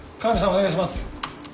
お願いします。